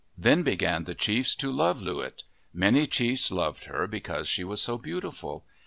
Then began the chiefs to love Loo wit. Many chiefs loved her because she was so beautiful.